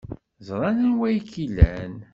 Ẓran anwa ay ken-ilan.